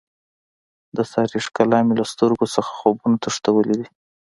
د سارې ښکلا مې له سترګو نه خوبونه تښتولي دي.